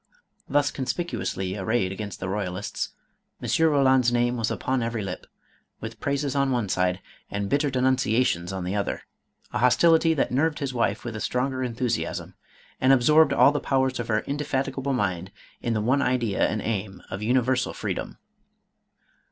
Thus conspicuously arrayed against the roy alists, M. Roland's name was upon every lip, with praises on one side, and bitter denunciations on the other — a hostility that nerved his wife with a stronger enthusiasm i 498 MADAME ROLAND. and absorbed all the powers of her indefatigable mind in the one idea and aim of universal freedom.